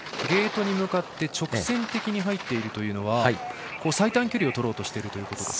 ゲートに向かって直線的に入っているというのは最短距離をとろうとしていると。